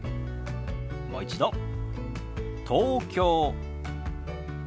もう一度「東京」。